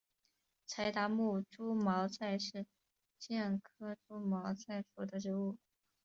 柴达木猪毛菜是苋科猪毛菜属的植物。